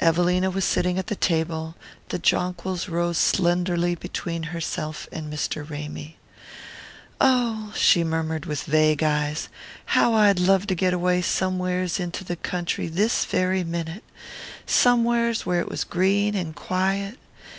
Evelina was sitting at the table; the jonquils rose slenderly between herself and Mr. Ramy. "Oh," she murmured with vague eyes, "how I'd love to get away somewheres into the country this very minute somewheres where it was green and quiet.